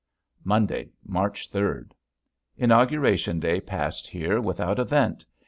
Monday, March third. Inauguration day passed here without event.